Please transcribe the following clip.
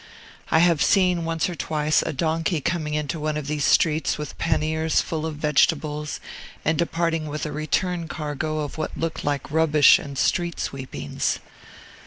I have seen, once or twice, a donkey coming into one of these streets with panniers full of vegetables, and departing with a return cargo of what looked like rubbish and street sweepings.